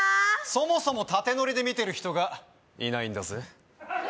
そもそも縦ノリで見てる人がいないんだぜ